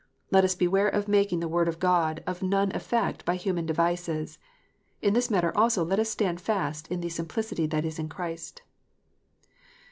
Let us beware of making the Word of God of none effect by human devices. In this matter also let us stand fast in the " simplicity that is in Christ.